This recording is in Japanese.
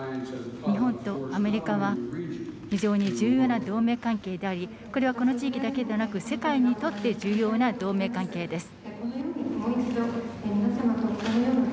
日本とアメリカは非常に重要な同盟関係でありこれはこの地域だけではなく世界にとって重要な同盟関係です。